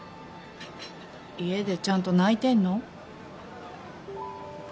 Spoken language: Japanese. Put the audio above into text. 家でちゃんと泣いてんの？